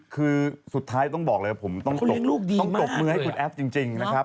คือสุดท้ายต้องบอกเลยว่าผมต้องตบมือให้คุณแอฟจริงนะครับ